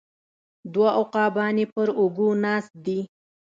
دوه عقابان یې پر اوږو ناست دي